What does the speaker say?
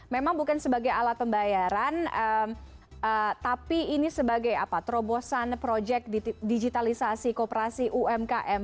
memang bukan sebagai alat pembayaran tapi ini sebagai terobosan proyek digitalisasi kooperasi umkm